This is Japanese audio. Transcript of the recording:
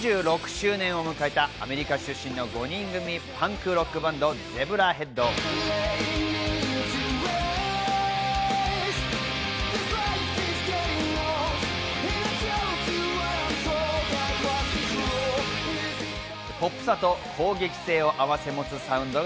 今年結成２６周年を迎えたアメリカ出身の５人組、パンクロックバンド、ＺＥＢＲＡＨＥＡＤ。